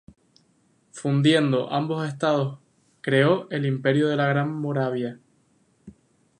Fundiendo ambos Estados creó el Imperio de la Gran Moravia.